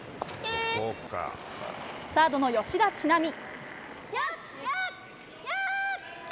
サードの吉田知那美。